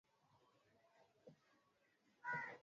kwenye nyumba za utimamu mara nyingi bila mafanikio